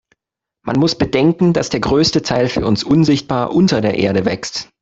Man muss bedenken, dass der größte Teil für uns unsichtbar unter der Erde wächst.